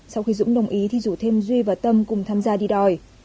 sau khi dũng đồng ý thì rủ thêm duy và tâm cùng tham gia đi đòi